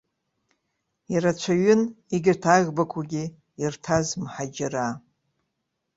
Ирацәаҩын егьырҭ аӷбақәагьы ирҭаз мҳаџьыраа.